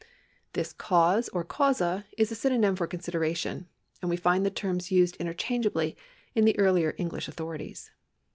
^ This cause or causa is a synonym for consideration, and we find the terms used interchangeably in the earlier English autho rities.